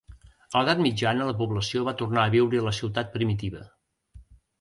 A l'Edat Mitjana la població va tornar a viure a la ciutat primitiva.